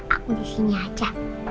aku di sini aja